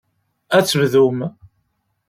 Ad tebdum.